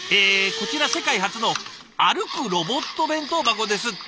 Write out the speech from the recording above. こちら世界初の歩くロボット弁当箱ですって。